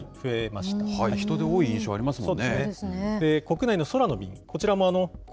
人出多い印象ありますもんね。